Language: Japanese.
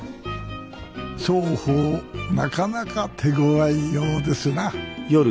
双方なかなか手強いようですな